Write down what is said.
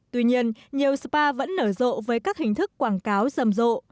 tuy nhiên nhiều spa vẫn nở rộ với các hình thức quảng cáo rầm rộ